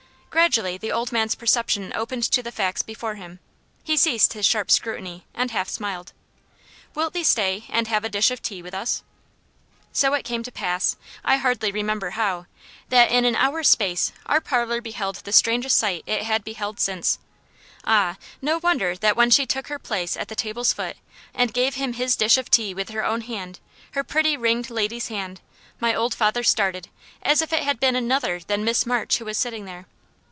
Gradually the old man's perception opened to the facts before him. He ceased his sharp scrutiny, and half smiled. "Wilt thee stay, and have a dish of tea with us?" So it came to pass, I hardly remember how, that in an hour's space our parlour beheld the strangest sight it had beheld since Ah, no wonder that when she took her place at the table's foot, and gave him his dish of tea with her own hand her pretty ringed lady's hand my old father started, as if it had been another than Miss March who was sitting there.